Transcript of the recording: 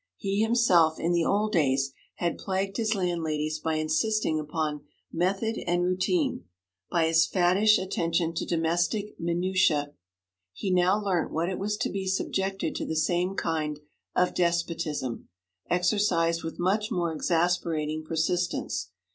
He himself, in the old days, had plagued his landladies by insisting upon method and routine, by his faddish attention to domestic minutiae; he now learnt what it was to be subjected to the same kind of despotism, exercised with much more exasperating persistence.